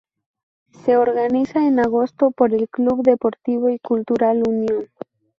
Se organiza en agosto por el Club Deportivo y Cultural Unión.